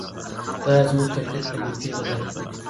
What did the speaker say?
خدایه زموږ تقدیر په نیکۍ بدل کړه.